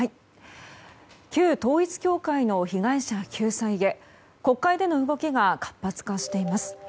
旧統一教会の被害者救済へ国会での動きが活発化しています。